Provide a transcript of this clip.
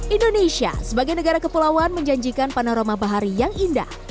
indonesia sebagai negara kepulauan menjanjikan panorama bahari yang indah